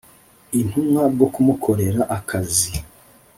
Intumwa bwo kumukorera akazi